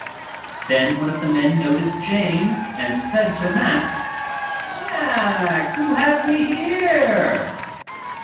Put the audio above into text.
Then one of the men noticed Jane and said to Mack. Mack, who have we here